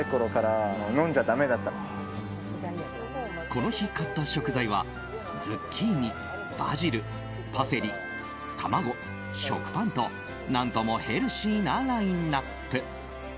この日、買った食材はズッキーニ、バジル、パセリ卵、食パンと何ともヘルシーなラインアップ。